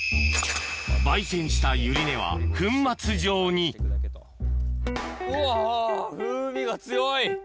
焙煎したユリ根は粉末状にうわ風味が強い！